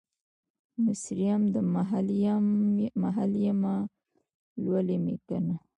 مصریم ، محل یمه ، لولی مې کنه